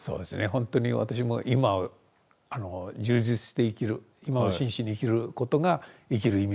ほんとに私も今を充実して生きる今を真摯に生きることが生きる意味なんだろうなと。